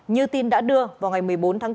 như tin đã đưa vào ngày một mươi bốn tháng bốn